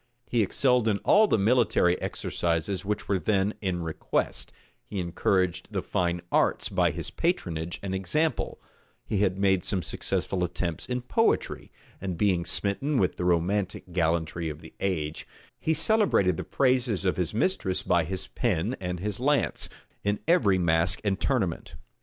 He excelled in all the military exercises which were then in request: he encouraged the fine arts by his patronage and example: he had made some successful attempts in poetry; and being smitten with the romantic gallantry of the age, he celebrated the praises of his mistress by his pen and his lance, in every masque and tournament.